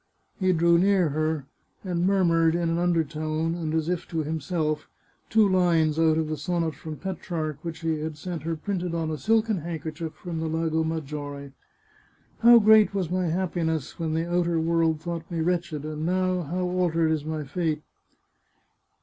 He drew near her, and murmured, in an undertone, and as if to himself, two lines out of the sonnet from Petrarch which he had sent her printed on a silken handkerchief from the Lago Maggiore. " How great was my happiness when the outer world thought me wretched! and now, how altered is my fate